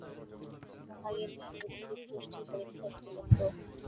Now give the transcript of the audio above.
মহাজ্ঞানী উদ্ভিদগোষ্ঠীর পরীক্ষার একটি বস্তু?